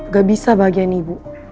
gak bisa bagian ibu